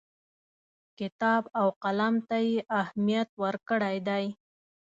کتاب او قلم ته یې اهمیت ورکړی دی.